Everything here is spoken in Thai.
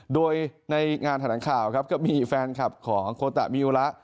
โดยในงานแถลงข่าวครับก็มีแฟนคลับของโคตะมิวระ